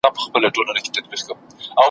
چي یو یو خواږه یاران مي باندي تللي `